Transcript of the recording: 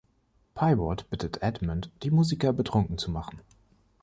Pieboard bittet Edmond, die Musiker betrunken zu machen.